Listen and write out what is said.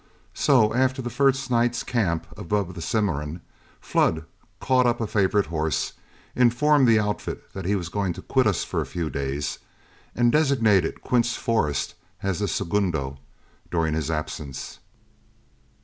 So after the first night's camp above the Cimarron, Flood caught up a favorite horse, informed the outfit that he was going to quit us for a few days, and designated Quince Forrest as the segundo during his absence.